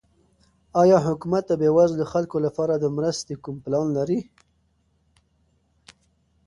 آیا حکومت د بېوزلو خلکو لپاره د مرستو کوم پلان لري؟